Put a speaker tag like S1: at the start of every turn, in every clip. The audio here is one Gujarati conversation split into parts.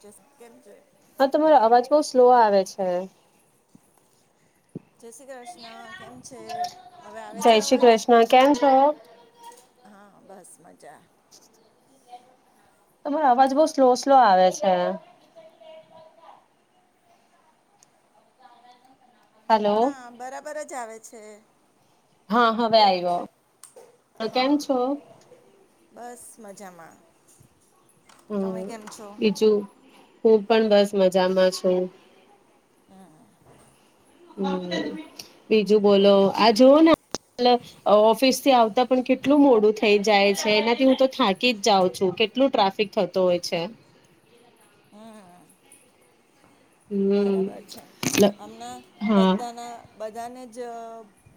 S1: જેસ કેમ છે.
S2: બો આવે છે.
S1: જય શ્રી ક્રષ્ન કેમ છે હવે આવે
S2: જય
S1: છે
S2: શ્રી
S1: અવાજ
S2: કૃષ્ણ કેમ છો?
S1: હા બસ મજા
S2: [inaudible] તમારો અવાજ બઉ સ્લો સ્લો આવે છે. હલો
S1: ના બરાબર જ આવે છે.
S2: હા હવે આયવો કેમ
S1: હા
S2: છો
S1: બસ મજામાં તમે
S2: હમ
S1: કેમ છો
S2: બીજું હું પણ બસ મજામાં છું.
S1: હમ
S2: હમ બીજું બોલો આ જોવો ને થી આવતા પણ કેટલું મોડું થઈ જાય છે એનાથી હું તો થાકી જ જાઉં છું કેટલું ટ્રાફિક થતો હોય છે.
S1: હા
S2: હમ.
S1: બરાબર છે હમના
S2: હા
S1: બધાના બધાને જ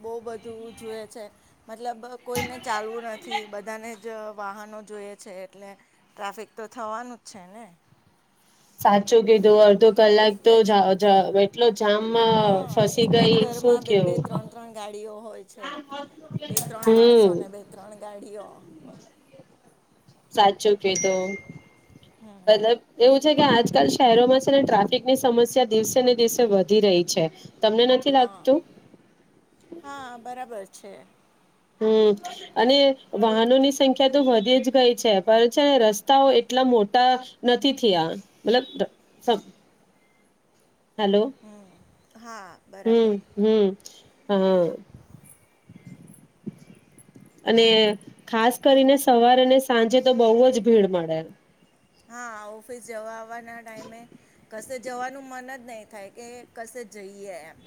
S1: બહુ બધું જોયે છે મતલબ કોઈને ચાલવું નથી બધાને જ વાહનો જોયે છે એટલે ટ્રાફિક તો થવાનું જ છે ને
S2: સાચું કીધું અડધો કલાક તો જ જ [unintelligible]
S1: હા એક જ ઘરમાં બે બે
S2: કેવું
S1: ત્રણ ત્રણ ગાડીઓ હોય છે બે ત્રણ માણસો
S2: હમ
S1: અને બે ત્રણ ગાડીઓ [inaudible]
S2: સાચું કે તો મતલબ એવું કે આજકાલ શહેરોમાં છે ને ટ્રાફિકની સમસ્યા દિવસે ને દિવસે વધી રહી છે. તમને નથી
S1: હ
S2: લાગતું
S1: હા બરાબર છે. છે.
S2: હમ અને વાહનોની સંખ્યા તો વધી જ ગઈ છે પણ છે રસ્તાઓ એટલા મોટા નથી થયા મતલબ ટબ સબ હાલો
S1: હમ હા
S2: હમ
S1: બરાબર
S2: હમ હા અને ખાસ કરીને સવારેને સાંજે તો બોવ જ ભીડ મળે
S1: હા ઓફિસ જવા વાના ટાઈમે કસે જવાનું મન જ નહીં થાય કે કશે જઈએ એમ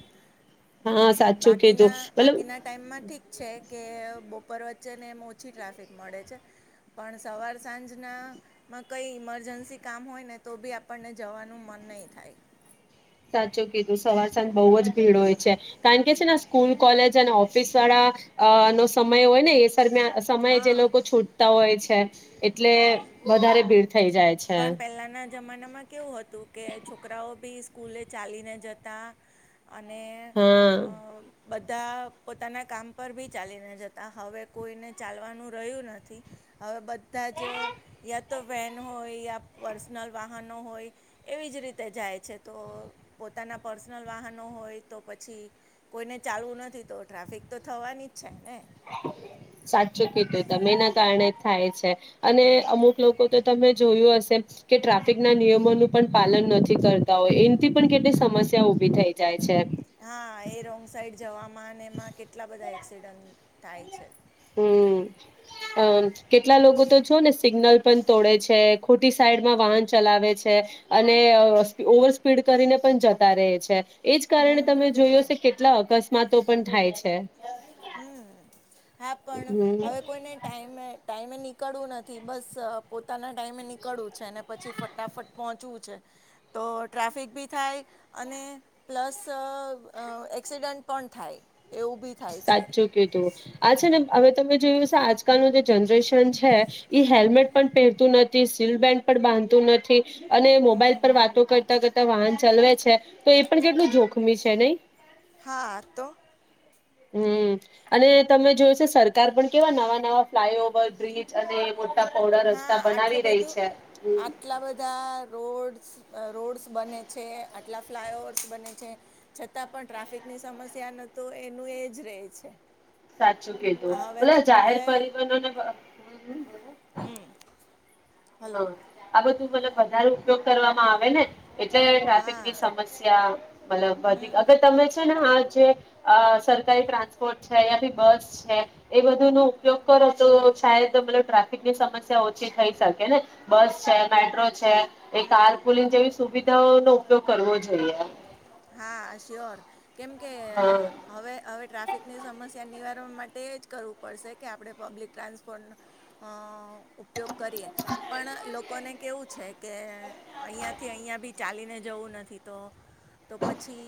S2: હા સાચું કીધું
S1: બાકીના
S2: મતલબ
S1: બાકીના ટાઈમમાં ઠીક છે. કે બપોર વચ્ચેને એમ ઓછી ટ્રાફિક મળે છે પણ સવાર સાંજના માં કંઈ ઈમરજન્સી કામ હોય ને તો બી આપણને જવાનું મન નય થાય.
S2: સાચું કીધું સવાર સાંજ બોવ જ ભીડ હોય છે કારણ કે છે ને સ્કૂલ કોલેજ અને ઓફિસ વાળા અ નો સમય હોયને એ દરમિયા સમય જે
S1: હા
S2: લોકો છૂટતા હોય છે. છે. એટલે
S1: હમ
S2: વધારે ભીડ થઈ જાય છે
S1: પણ પહેલાના જમાનામાં કેવું હતું કે છોકરાઓ બી સ્કૂલે ચાલીને જતા અને
S2: હા
S1: અ બધા પોતાના કામ પર બી ચાલીને જતા હવે કોઈને ચાલવાનું રહ્યું નથી હવે બધાજ યા તો વેન હોય યા પર્સનલ વાહનો હોય એવી જ રીતે જાય છે તો પોતાના પર્સનલ વાહનો હોય તો પછી કોઈને ચાલવું નથી તો ટ્રાફિક તો થવાની જ છે. ને
S2: સાચું કીધું તમે એના કારણે થાય છે અને અમુક લોકો તો તમે જોયું હશે કે ટ્રાફિક ના નિયમોનું પન પાલન નથી કરતા હોય એનથી પણ કેટલી સમસ્યા ઉભી થઈ જાય છે.
S1: હા એ રોંગ સાઈડ જવા માંને એમાં કેટલા બધા એક્સિડન્ટ થાય છે.
S2: હમ અમ કેટલા લોકો તો છો ને સિગ્નલ પણ તોડે છે ખોટી સાઈડમાં વાહન ચલાવે છે અને અ ઓવર સ્પીડ કરીને પણ જતા રે છે. એજ કારણે તમે જોયું હશે કેટલા અકસ્માતો પણ થાય છે.
S1: હમ હા પણ
S2: હમ
S1: હવે કોઈને ટાઈમે ટાઈમે નીકળવું નથી બસ પોતાના ટાઈમે નીકળવું છે ને પછી ફટાફટ પહોંચવું છે તો ટ્રાફિક બી થાય અને પ્લસ અ એક્સિડન્ટ પણ થાય. એવું બી થાય.
S2: ચુ કીધું આ છે ને હવે તમે જોયું છે આજકાલનું જે જનરેશન છે એ હેલ્મેટ પણ પેરતું નથી સીલ બેન્ડ પણ બાંધતું નથી. અને મોબાઈલ
S1: હમ
S2: પર વાતો કર કરતા કરતા વાહન ચલવે છે તો એ પણ કેટલું જોખમી છે નય
S1: હા તો
S2: હમ અને તમે જોયશે સરકાર પણ કેવા નવા નવા ફ્લાય ઓવર બ્રિજ અને મોટા પહોળા
S1: હા
S2: રસ્તા
S1: આટલું
S2: બનાવી રહી
S1: બધું
S2: છે. હમ
S1: આટલા બધા રોડ રોડ્સ બને છે ટલા ફ્લાય ઓવર્સ બને છે છતાં પણ ટ્રાફિકની સમસ્યા નું તો એનું એજ રહે છે
S2: સાચું કિધું
S1: હવે
S2: ઉલા જાહેર
S1: હવે
S2: પરિબનો ને
S1: હમ
S2: હ
S1: હલો
S2: આબ તું મને વધારે ઉપયોગ કરવામાં આવે ને એટલે ટ્રાફિકની
S1: હા
S2: સમસ્યા મતલબ વધી અર અગર તમે છે ને હા જે અ સરકારી પ્રાઆ છે યા પછી બસ છે એ બધ નો ઉપયોગ કરો તો છાય તો ટ્રાફિકની સમસ્યા ઓછી થઈ શક કે ને બસ છે મેટ્રો છે એ કારકુલી જેવી સુવિ તો નો ઉપયોગ કરવો જોઈએ
S1: હા શ્યોર કેમ કે
S2: હા
S1: હવે હવે ટ્રાફિકની સમસ્યા નિવાર માટે જ એજ કરવું પડશે કે આપણે પબ્લિક ટ્રાન્સપોર્ટનો ઉપયોગ કરીએ પણ લોકોને કેવું છે કે અહીંયાથી અહીંયા બી ચાલીને જવું નથી તો તો પછી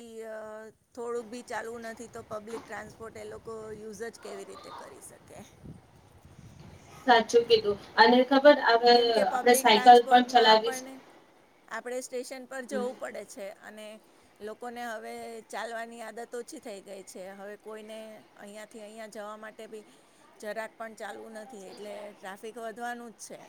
S1: થોડુંક બી ચાલું નથી તો પબ્લિક ટ્રાન્સપોર્ટને લોકો યુઝ જ કેવી રીતે કરી શકે
S2: સાચું કીધું અને ખબર અગર
S1: કેમ કે
S2: આપણે
S1: પબ્લિક
S2: સાયકલ પણ
S1: ટ્રાન્સપોર્ટમાં
S2: ચલાવીશ
S1: આપણને આપણે સ સ્ટેશન પર જવું પડે છે અને લોકોને હવે ચાલવાની આદત ઓછી થઈ ગઈ છે હવે કોઈને અહીંયાથી અહીંયા જવા માટે બી જરાક પણ ચાલવું નથી એટલે ટ્રાફિક વધવાનું જ છે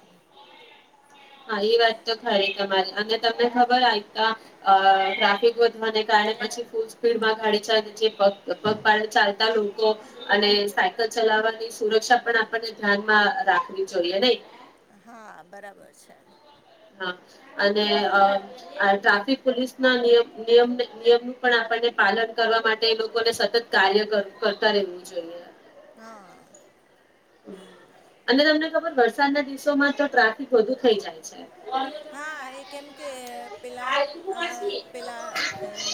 S2: હા એ વાત તો ખરી તમારી અને તમને ખબર હોય તો અ ટ્રાફિક વધવાને કારણે પછી ફૂલ સ્પીડમાં ગાડી જેગ પગ પાડા ચાલતા લોકો અને સાયકલ ચલાવવાની સુરક્ષા પણ આપણને ધ્યાનમાં રાખવી જોઈએ નહી
S1: હા બરાબર છે
S2: હા અને ટ્રાફિક પોલીસના નિયમમ [unintelligible] નિયમનું પણ આપણને પાલન કરવા માટે એ લોકોને સતત કાર્ય કરતા રહેવું જોઈએ
S1: હઅ
S2: અને તમને ખબર વરસાદના દિવસોમાં તો ટ્રાફિક વધુ થઇ જાય છે
S1: હા એ કેમ કે પેલા પેલા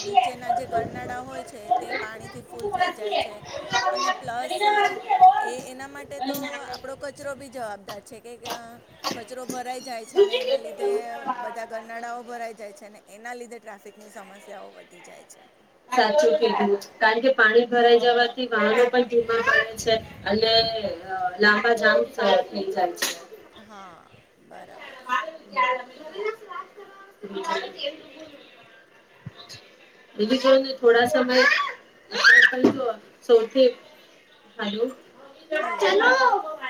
S1: નીચેના જે ગરનાડા હોય છે તે પાણીથી ફૂલ થઈ જાય છે અને પ્લસ એ એના એ માટે તો આપડો કચરો બી જવાબદાર છે કે કચરો ભરાઈ જાય છે ને એના લીધે તે બધા ગરનાડાઓ ભરાઈ જાય છે ને એના લીધે ટ્રાફિકની સમસ્યાઓ વધી જાય છે
S2: સાચું કીધું કારણ કે પાણી ભરાઈ જવાથી વાહનો પણ ધીમા પડે છે અને લાંબા જામ થઈ જાય છે
S1: હા બરાબર
S2: [inaudible] બીજું જોને થોડા સમય સૌથી હાલો
S1: હલો
S2: ચલો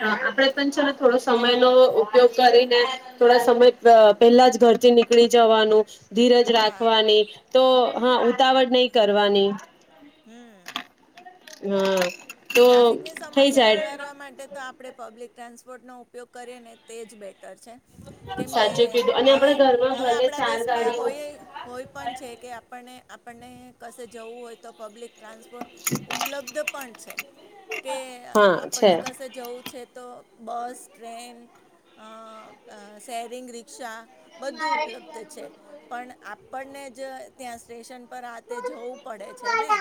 S2: આપડે પણ છે ને થોડો સમય નો ઉપયોગ કરીને થોડા સમય પેલા જ ઘરથી નીકળી જવાનું ધીરજ
S1: હા
S2: રાખવાની તો હા ઉતાવળ નઇ કરવાની હા. તો
S1: ટ્રાફિક ની
S2: થઈ
S1: સમસ્યા
S2: જાય
S1: નિવારવા માટે તો આપ ડે પબ્લિક ટ્રાન્સપોર્ટનો ઉપયોગ કરીએ ને તે જ બે ટર છે કેમકે
S2: સાચું કીધું અને આપણા
S1: હવે
S2: ઘરમાં ભલે
S1: આપણા
S2: ચાર
S1: દેશમાં
S2: ગાડી
S1: હોય હોય પણ છે. કે આપણને આપણને કશે જવું હોય તો પબ્લિક ટ્રાન્સપોર્ટ ઉપલબ્ધ પણ છે. કે
S2: હા છે
S1: આપણને કશે જવું છે તો બસ ટ્રેન અ સેરિંગ રિક્ષા બધું ઉપલબ્ધ છે પણ આપણને જ ત્યાં સ્ટેશન પર આતે જોવું પડે છે ને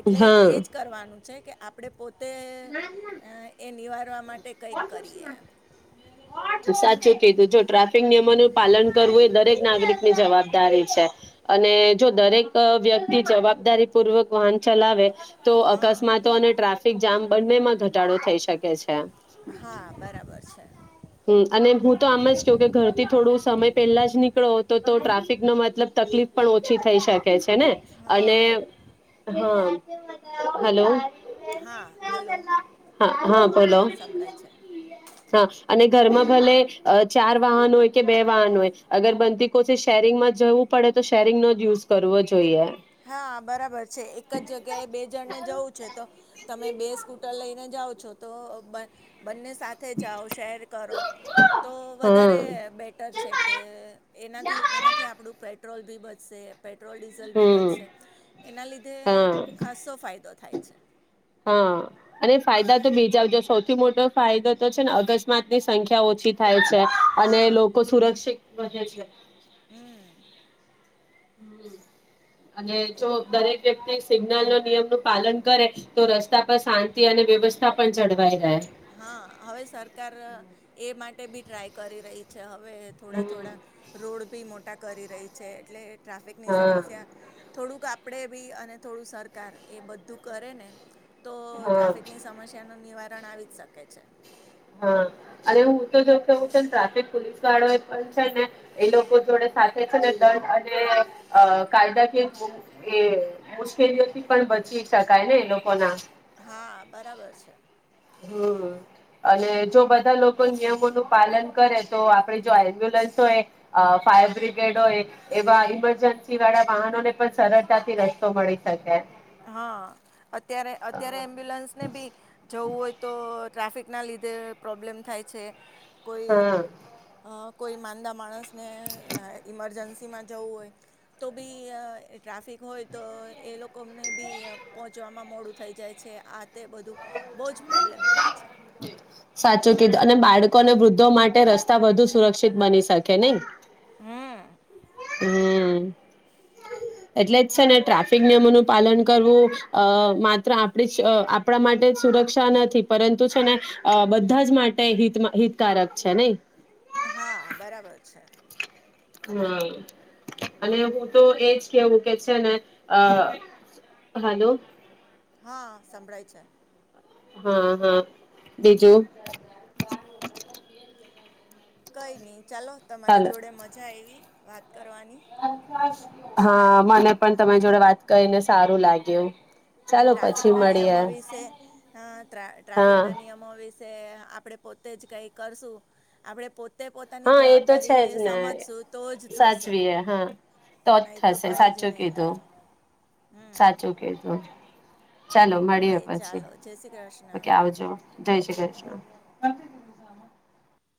S1: એટલે
S2: હા
S1: એજ કરવાનું છે કે આપણે પો તે એ નિવારવા માટે કંઈક કરીએ એમ.
S2: સાચું કીધું જો ટ્રાફિક નિયમોનું પાલન કરવું એ દરેક નાગરિકની જવાબદારી છે અને જો દરેક વ્યક્તિ જવાબદારી પૂર્વક વાહન ચલાવે તો
S1: હા
S2: અકસ્માતો અને ટ્રા ફિક ઝામ બંને માં ઘટાડો થઈ શકે છે.
S1: હા બરાબર છે.
S2: હમ્મ અને હું તો આમ જ કેઉ કે ઘર થી થોડું સમય પહેલા જ નીકળો તો ટ્રાફિક નો મતલબ તકલીફ પણ ઓછી થઈ શકે છે. ને અને
S1: હા
S2: હા હાલો
S1: હા હાલો હા સંંભળાય છે
S2: હા અને ઘરમાં ભલે ચાર વાહન હોય કે બે વાહન હોય અગર બંદી કોસે શેરિંગમાં જવું પડે તો શેરિંગ નો જ યુઝ કરવો જોઈએ.
S1: હા બરાબર છે એક જ જગ્યાએ બે જણને જવું છે તો તમે બે સ્કૂટર લઈને જાઓ છો તો બન બંને સાથે જાઓ શેર કરો તો
S2: હા
S1: વધારે બેટર છે કે એનાથી એનાથી આપણું પ્રે ટ્રોલ ભી બચશે. પેટ્રોલ ડીઝલ ભી બ
S2: હમ
S1: સે એના લીધે
S2: હા
S1: ખાસો ફાયદો થાય છે.
S2: હા અને ફાયદા તો બીજા જો સૌથી મોટો ફાયદો તો તો છે ને અકસ્માત ની સંખ્યા ઓછી થાય છે. તા અને
S1: હા
S2: લોકો સુરક્ષિત વધે છે.
S1: હમ્મ
S2: હ અને
S1: એ
S2: જો દરેક વ્યક્તિ સિગ્નલ નો નિયમ નું પાલન કરે. તો રસ્તા પર શાંતિ અને વ્યવસ્થા પણ જળવાઈ રહે
S1: હા હવે સરકાર એ માટ મેબી ટ્રાય કરી રહી છે હ હવે થોડા
S2: હમ
S1: થોડા રોડ ભી મોટ ટા કરી રહી છે એટલે ટ્રાફિક ની
S2: હા
S1: સમસ્યા થોડુંક આ આપડે બી, અને થોડું સરકાર એ બધું કરે ને તો
S2: હા
S1: ટ્રાફિકની સમસ્યા ન નિવારણ પણ આવે શકે છે.
S2: હા અને હું તો જો કેવું તો ટ્રાફિક પોલીસ વાળો એ પણ છે ને એ લોકો જોડે સાથે છે ને દંડ અને અ કાયદાકીય એ મુશ્કેલીઓથી પણ બચી શકાય ને એ લોકો ના
S1: હા બરાબર છે.
S2: હમ્મ અને જો બધા લોકો નિયમોનું પાલન કરે તો આપડે જો એમ્બ્યુલન્સ હોય ફાયર બ્રિગેડ હોય એવા ઈમરજન્સી વાળા વાહનોને પણ સરળતાથી રસ્તો મળી શકે
S1: હા અત્યારે અત્યારે એમ્બ્યુલન્સ ને બી જવું હોય તો ટ્રાફિકના લીધે પ્રોબ્લેમ થાય છે કોઈ
S2: હા
S1: અ કોઈ માંદા માણસને ઇમરજન્સીમાં જવું હોય, તો બી ટ્રાફિક હોય તો એ લોક ને બી પહોંચવામાં મોડું થઈ જાય છે આ તે બધું બહુ જ પ્રોબ્લેમ થાય છે.
S2: સાચું કીધું અને બાળકો અને વૃદ્ધો માટે રસ્તા વધુ સુરક્ષિત બની શકે નઈ
S1: હમ્મ
S2: હમ્મ એટલે જ છે ને ટ્રાફિક નિયમોનું પાલન કરવું અ માત્ર આપડી અ આપણા માટે જ સુરક્ષા નથી. પરંતુ છે ને અ બધા જ માટે હિતમા હિતકારક છે નહી.
S1: હા બરાબર છે.
S2: હા અને હું તો એજ કેવું કે છે ને અ હાલો
S1: હા સંભળાય છે.
S2: હા હા બીજું
S1: કઈ નહીં ચાલો તમારી
S2: હાલો
S1: જોડે મજા આઈવી વાત કરવાની.
S2: હા મને પણ તમારી જોડે વાત કરીને સારું લાગ્યું ચાલો
S1: ટ્રાફિક
S2: પછી
S1: ના નિયમો
S2: મળીએ
S1: વિશે ટ્રાફિક
S2: હા
S1: ના નિયમો વિશે આપણે પોતે જ કઈ કરશું આપણે પોતે પોતાની
S2: હા એ તો છે
S1: જવાબદારી
S2: જ ને
S1: સમજશું તો જ થશે
S2: સાચવીએ હા તોજ
S1: નહીં તો
S2: થશે
S1: કંઈ જ
S2: સાચું
S1: નહીં
S2: કીધું
S1: થાય હમ
S2: સાચું કીધું ચાલો મળીએ
S1: ઓકે
S2: પછી
S1: ચાલો જય શ્રી કૃષ્ણ
S2: ઓકે આવજો જઈશ ક
S1: હમ
S2: બુઝામ